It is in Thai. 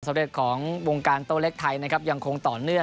ของวงการโต้เล็กไทยนะครับยังคงต่อเนื่อง